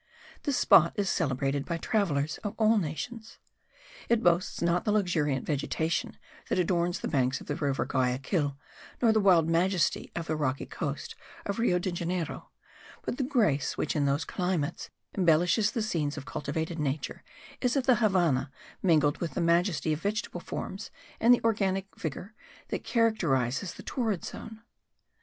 This spot is celebrated by travellers of all nations. It boasts not the luxuriant vegetation that adorns the banks of the river Guayaquil nor the wild majesty of the rocky coast of Rio de Janeiro; but the grace which in those climates embellishes the scenes of cultivated nature is at the Havannah mingled with the majesty of vegetable forms and the organic vigour that characterizes the torrid zone.